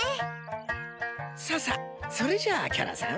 ささっそれじゃあキャラさん